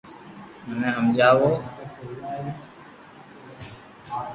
مني ھمجاوُ